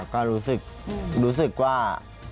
ก็รู้สึกรู้สึกว่า